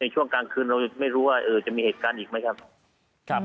ช่วงกลางคืนเราไม่รู้ว่าจะมีเหตุการณ์อีกไหมครับ